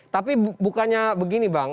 tapi bukannya begini bang